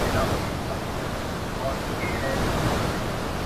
چي بهانه سي درته ګرانه پر ما ښه لګیږي -